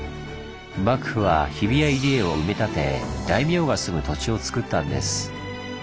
幕府は日比谷入江を埋め立て大名が住む土地をつくったんです。